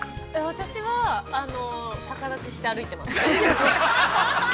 ◆私は、逆立ちして、歩いてます。